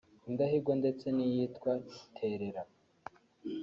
Indahigwa ndetse n’iyitwa Terera